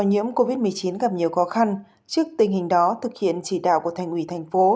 nhiễm covid một mươi chín gặp nhiều khó khăn trước tình hình đó thực hiện chỉ đạo của thành ủy thành phố